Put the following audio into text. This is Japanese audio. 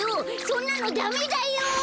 そんなのダメだよ！